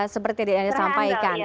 seperti yang anda sampaikan